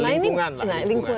lingkungan lah lingkungan